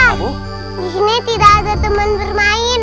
di sini tidak ada teman bermain